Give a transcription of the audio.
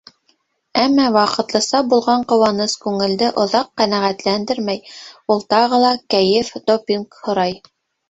Әммә ваҡытлыса булған ҡыуаныс күңелде оҙаҡ ҡәнәғәтләндермәй, ул тағы ла кәйеф-допинг һорай.